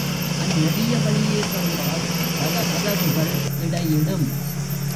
அந்நெடிய வழியே சென்றால் பல கதவுகள் இடையிடும்.